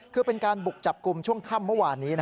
คือเป็นการบุกจับกลุ่มช่วงค่ำเมื่อวานนี้